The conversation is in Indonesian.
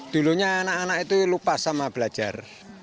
dulunya anak anak itu lupa sama belajar